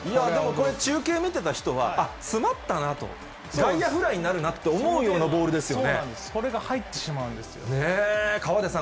中継見てた人は、詰まったなと、外野フライになるなと思うようなボールですよね。